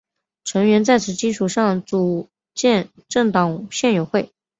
成员在此基础上组建政党宪友会。